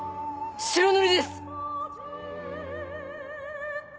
白塗りです！